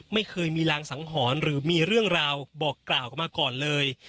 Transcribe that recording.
ไม่เคยมีรางสังหรณ์หรือมีเรื่องราวบอกกล่าวมาก่อนเลย